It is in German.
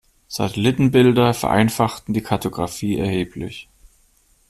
Satellitenbilder vereinfachten die Kartographie erheblich.